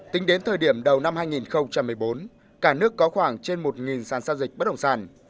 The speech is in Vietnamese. tính đến thời điểm đầu năm hai nghìn một mươi bốn cả nước có khoảng trên một sản giao dịch bất động sản